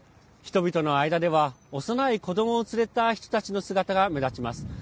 人々の間では幼い子どもを連れた人たちの姿が目立ちます。